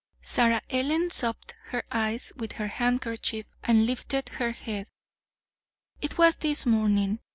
Sarah Ellen sopped her eyes with her handkerchief and lifted her head. "It was this morning.